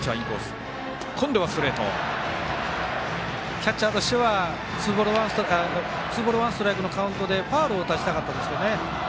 キャッチャーとしてはツーボール、ワンストライクのカウントでファウルを打たせたかったですけどね。